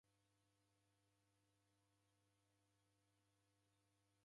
Inimoni nameria kuja